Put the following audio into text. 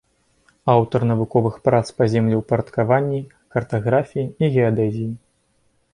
Аўтар навуковых прац па землеўпарадкаванні, картаграфіі і геадэзіі.